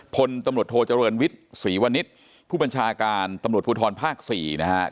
พลตำรวจโทเจริญวิทย์ศรีวณิชย์ผู้บัญชาการตำรวจภูทรภาค๔นะครับ